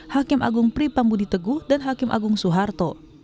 hakim agung pripambudi teguh dan hakim agung soeharto